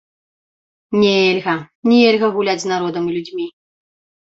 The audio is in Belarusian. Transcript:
Нельга, нельга гуляць з народам і людзьмі.